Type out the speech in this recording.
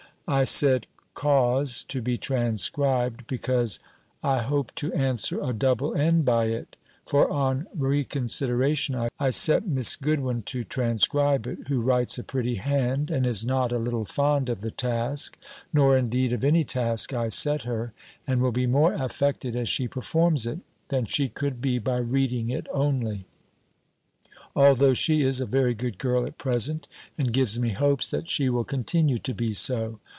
I said, cause to be transcribed, because I hope to answer a double end by it; for, on reconsideration, I set Miss Goodwin to transcribe it, who writes a pretty hand, and is not a little fond of the task, nor, indeed, of any task I set her; and will be more affected as she performs it, than she could be by reading it only; although she is a very good girl at present, and gives me hopes that she will continue to be so.